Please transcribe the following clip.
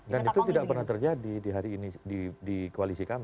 dan itu tidak pernah terjadi di hari ini di koalisi kami